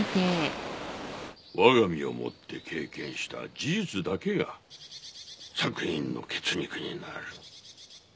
我が身をもって経験した事実だけが作品の血肉になる。